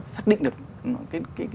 xác định được cái